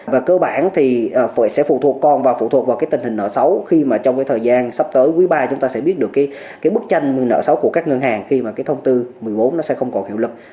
và cơ bản thì sẽ phụ thuộc con và phụ thuộc vào cái tình hình nợ xấu khi mà trong cái thời gian sắp tới quý ba chúng ta sẽ biết được cái bức tranh nợ xấu của các ngân hàng khi mà cái thông tư một mươi bốn nó sẽ không còn hiệu lực